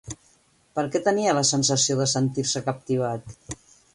Per què tenia la sensació de sentir-se captivat?